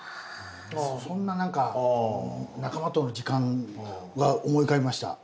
そんな何か仲間との時間は思い浮かびました。